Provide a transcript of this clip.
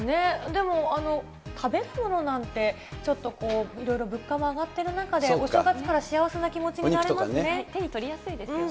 でも、食べ物なんて、ちょっとこう、いろいろ物価も上がってる中で、お正月から幸せな気持ちになれますね。